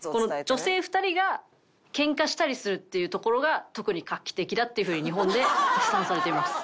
女性２人がケンカしたりするっていうところが特に画期的だっていう風に日本で絶賛されています。